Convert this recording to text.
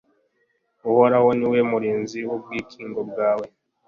uhoraho ni we murinzi n'ubwikingo bwawe